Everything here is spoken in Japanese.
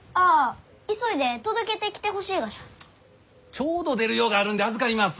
ちょうど出る用があるんで預かります。